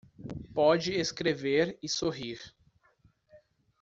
Pode escrever e sorrir